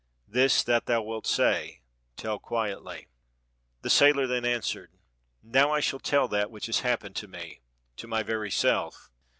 This that thou wilt say, tell quietly." The sailor then answered, "Now I shall tell that which has happened to me, to my very self.